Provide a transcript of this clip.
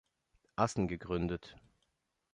Assen gegründet.